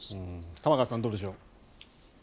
玉川さん、どうでしょう？